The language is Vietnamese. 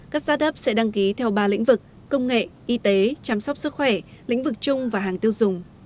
các start up sẽ đăng ký theo ba lĩnh vực công nghệ y tế chăm sóc sức khỏe lĩnh vực chung và hàng tiêu dùng